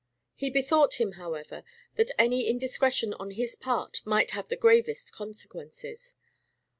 He bethought him, however, that any indiscretion on his part might have the gravest consequences.